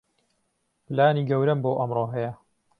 پلانی گەورەم بۆ ئەمڕۆ هەیە.